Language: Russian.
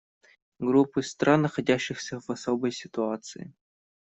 Группы стран, находящихся в особой ситуации.